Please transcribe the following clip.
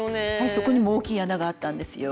そこにも大きい穴があったんですよ。